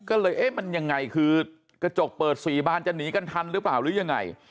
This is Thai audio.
ก็เลยเอ๊ะมันยังไงคือกระจกเปิด๔บานจะหนีกันทันหรือเปล่าหรือยังไง